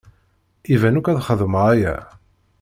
Iban akk ad xedmeɣ aya.